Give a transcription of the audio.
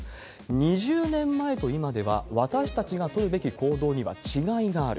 ２０年前と今では、私たちが取るべき行動には違いがある。